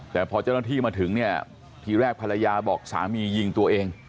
แต่พอเจ้าหน้าที่มาถึงเนี่ยทีแรกภรรยาบอกสามียิงตัวเอง